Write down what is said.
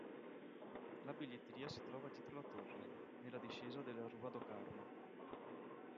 La biglietteria si trova dietro la torre, nella discesa della "rua do Carmo".